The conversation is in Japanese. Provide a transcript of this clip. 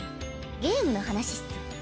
ゲームの話っス。